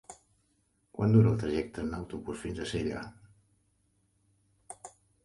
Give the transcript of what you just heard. Quant dura el trajecte en autobús fins a Sella?